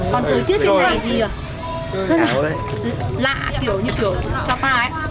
còn thời tiết trên này thì rất là lạ kiểu như kiểu sapa ấy